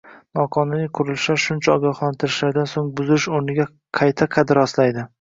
Noqonuniy qurilishlar shuncha ogohlantirilishlardan so`ng buzilish o`rniga qayta qad rostlaydi